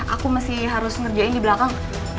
aku masih harus ngerjain di belakang